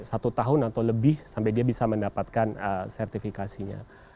satu tahun atau lebih sampai dia bisa mendapatkan sertifikasinya